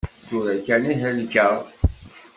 Tura kan i helkeɣ.